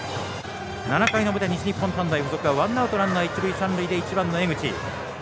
７回の表、西日本短大付属はワンアウト、ランナー一塁三塁で１番、江口。